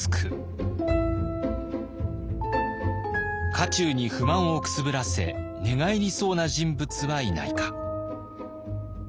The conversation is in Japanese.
家中に不満をくすぶらせ寝返りそうな人物はいないか。